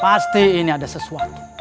pasti ini ada sesuatu